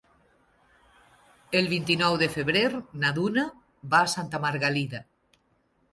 El vint-i-nou de febrer na Duna va a Santa Margalida.